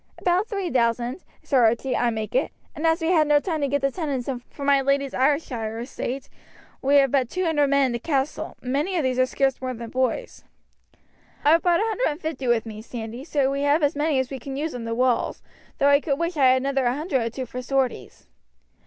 "About three thousand, Sir Archie, I make it; and as we had no time to get the tenants in from my lady's Ayrshire estate, we have but two hundred men in the castle, and many of these are scarce more than boys." "I have brought a hundred and fifty with me, Sandy, so we have as many as we can use on the walls, though I could wish I had another hundred or two for sorties."